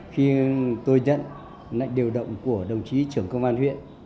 khi tôi nhận lệnh điều động của đồng chí trưởng công an huyện